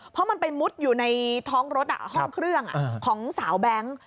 เพราะมันไปมุดอยู่ในท้องรถห้องเครื่องของสาวแบงค์